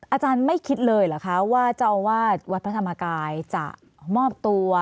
อาจารย์ไม่คิดเลยเหรอคะว่าเจ้าอาวาสวัดพระธรรมกายจะมอบตัว